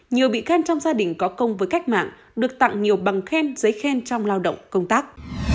nhiều bị can trong gia đình có công với cách mạng được tặng nhiều bằng khen giấy khen trong lao động công tác